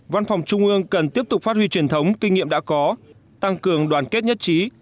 văn phòng trung ương cần tiếp tục phát huy truyền thống kinh nghiệm đã có tăng cường đoàn kết nhất trí